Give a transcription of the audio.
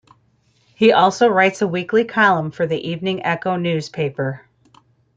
He also writes a weekly column for the "Evening Echo" newspaper.